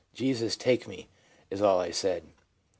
" Jesus, take me," is all I said.